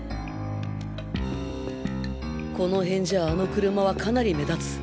この辺じゃあの車はかなり目立つ。